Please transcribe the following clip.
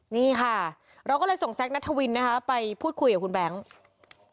นี่ค่ะเราก็เลยส่งแซคนัทวินนะคะไปพูดคุยกับคุณแบงค์